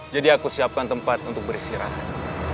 jadi aku siapkan tempat untuk beristirahat